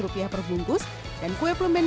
kue plemen yang terbentuk seperti tempur rambut